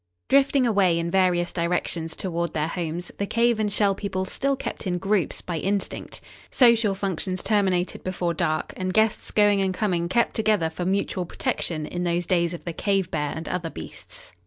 Drifting away in various directions toward their homes the Cave and Shell People still kept in groups, by instinct. Social functions terminated before dark and guests going and coming kept together for mutual protection in those days of the cave bear and other beasts.